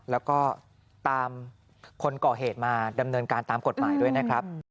แล้วก็ตามคนก่อเหตุมาดำเนินการตามกฎหมายด้วยนะครับ